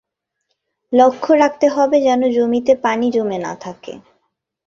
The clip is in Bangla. লক্ষ্য রাখতে হবে যেন জমিতে পানি জমে না থাকে।